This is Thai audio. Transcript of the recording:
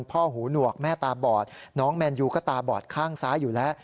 หูหนวกแม่ตาบอดน้องแมนยูก็ตาบอดข้างซ้ายอยู่แล้ว